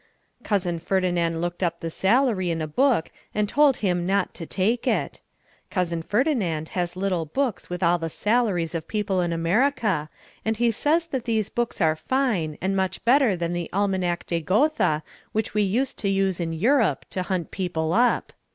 Cousin Ferdinand looked up the salary in a book and told him not to take it. Cousin Ferdinand has little books with all the salaries of people in America and he says that these books are fine and much better than the Almanach de Gotha which we used to use in Europe to hunt people up.